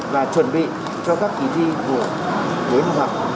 và chuẩn bị cho các kỳ thi của cuối học học